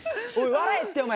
笑えってお前。